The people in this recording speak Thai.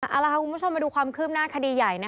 เอาล่ะค่ะคุณผู้ชมมาดูความคืบหน้าคดีใหญ่